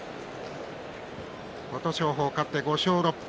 琴勝峰が勝って５勝６敗。